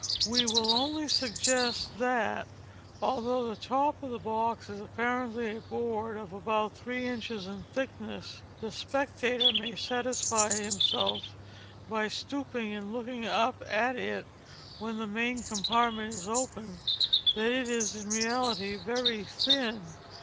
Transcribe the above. We will only suggest that, although the top of the box is apparently a board of about three inches in thickness, the spectator may satisfy himself by stooping and looking up at it when the main compartment is open, that it is in reality very thin.